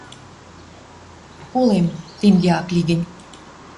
Колем, тенге ак ли гӹнь.